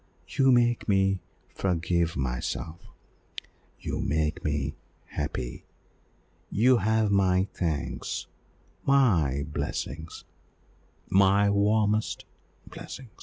You make me forgive myself, you make me happy, you have my thanks my blessing my warmest blessing!"